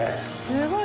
すごい！